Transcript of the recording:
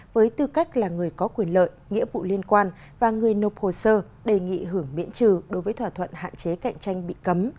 với tư cách là người có quyền lợi nghĩa vụ liên quan và người nộp hồ sơ đề nghị hưởng miễn trừ đối với thỏa thuận hạn chế cạnh tranh bị cấm